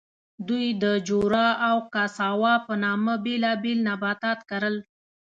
دوی د جورا او کاساوا په نامه بېلابېل نباتات کرل.